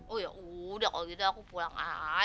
oh ya udah kalau gitu aku pulang aja